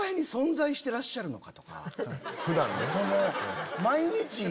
普段ね。